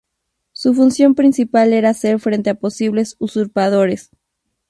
Su función principal era hacer frente a posibles usurpadores.